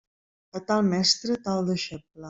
A tal mestre, tal deixeble.